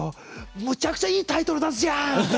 むちゃくちゃいいタイトル出すじゃん！